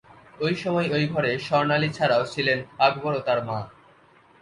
এ সময় ওই ঘরে স্বর্ণালি ছাড়াও ছিলেন আকবর ও তাঁর মা।